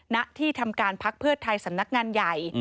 นักที่ทำการปักเพื่อไทยศนักงานใหญ่